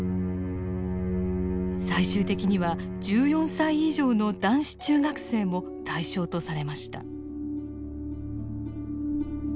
最終的には１４歳以上の男子中学生も対象とされました。